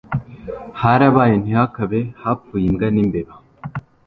Harabaye ntihakabe, hapfuye imbwa n'imbeba ,